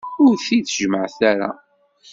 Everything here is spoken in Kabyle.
Ur t-id-jemmɛet ara.